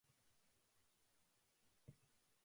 ことに肥ったお方や若いお方は、大歓迎いたします